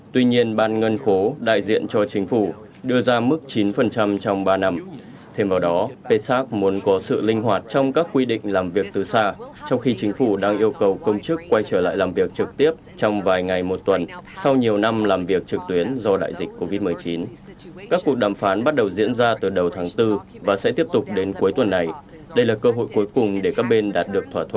tuy nhiên ban ngân khố đại diện cho chính phủ đưa ra mức tăng này là cần thiết để theo kịp lãm phát